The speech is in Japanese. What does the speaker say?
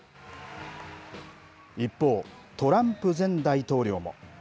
一方、トランプ前大統領も。